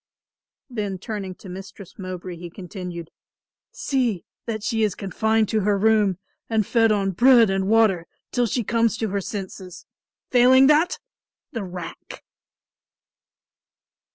Then turning to Mistress Mowbray he continued, "See that she is confined to her room and fed on bread and water till she comes to her senses. Failing that, the rack!"